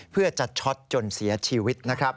เพื่อจะช็อตจนเสียชีวิต